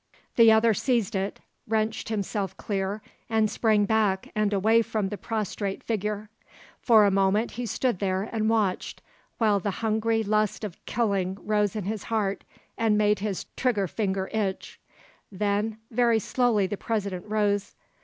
The other seized it, wrenched himself clear, and sprang back and away from the prostrate figure. For a moment he stood there and watched, while the hungry lust of killing rose in his heart and made his trigger finger itch. Then very slowly the President rose.